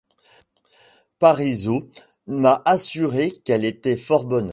Parisot m'a assuré qu'elle était fort bonne.